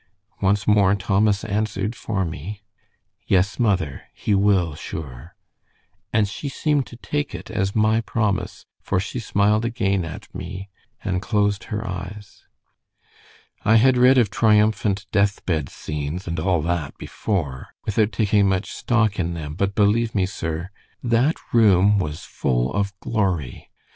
Once more Thomas answered for me. "'Yes, mother, he will, sure,' and she seemed to take it as my promise, for she smiled again at me, and closed her eyes. "I had read of triumphant death bed scenes, and all that before, without taking much stock in them, but believe me, sir, that room was full of glory.